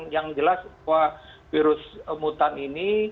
yang jelas bahwa virus mutan ini